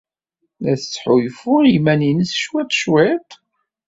La tettḥulfu i yiman-nnes ccwi cwiṭ?